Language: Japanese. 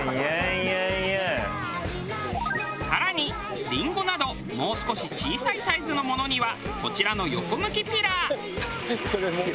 更にリンゴなどもう少し小さいサイズのものにはこちらの横向きピラー。